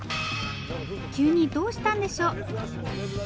急にどうしたんでしょう？